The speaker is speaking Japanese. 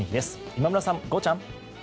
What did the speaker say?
今村さん、ゴーちゃん。